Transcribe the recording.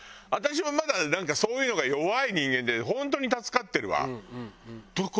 私はまだなんかそういうのが弱い人間で本当に助かってるわ。